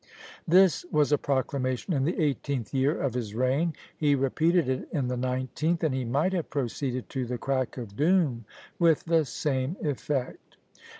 This was a proclamation in the eighteenth year of his reign; he repeated it in the nineteenth, and he might have proceeded to "the crack of doom" with the same effect!